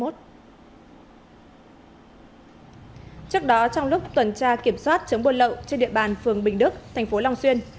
trước đó trong lúc tuần tra kiểm soát chấm buôn lậu trên địa bàn phường bình đức tp long xuyên